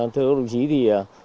thưa đồng chí